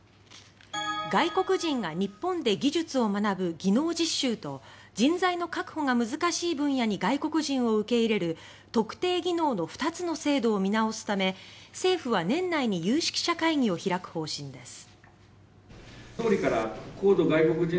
外国人が日本で技術を学ぶ「技能実習」と人材の確保が難しい分野に外国人を受け入れる「特定技能」の二つの制度を見直すため政府は年内に有識者会議を開く方針です。